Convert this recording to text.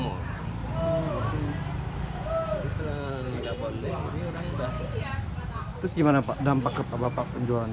terus bagaimana dampak ke bapak penjualan